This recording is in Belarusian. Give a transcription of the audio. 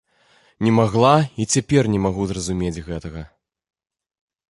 Не магла, і цяпер не магу зразумець гэтага.